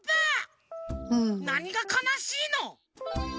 なにがかなしいの！